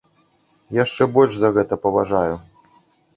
Яшчэ больш за гэта паважаю.